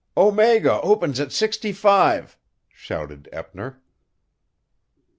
"Omega opens at sixty five," shouted Eppner.